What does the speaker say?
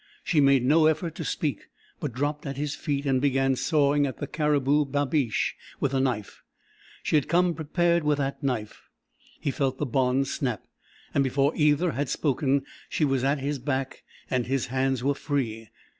She made no effort to speak, but dropped at his feet and began sawing at the caribou babiche with a knife. She had come prepared with that knife! He felt the bonds snap, and before either had spoken she was at his back, and his hands were free.